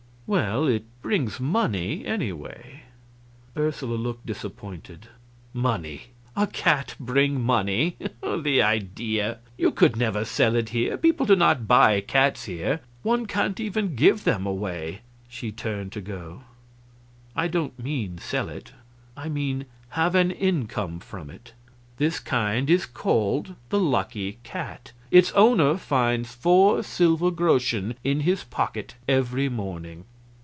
"Well, it brings money, anyway." Ursula looked disappointed. "Money? A cat bring money? The idea! You could never sell it here; people do not buy cats here; one can't even give them away." She turned to go. "I don't mean sell it. I mean have an income from it. This kind is called the Lucky Cat. Its owner finds four silver groschen in his pocket every morning."